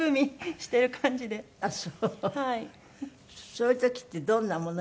そういう時ってどんなもの？